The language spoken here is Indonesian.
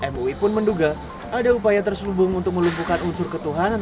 mui pun menduga ada upaya terselubung untuk melumpuhkan unsur ketuhanan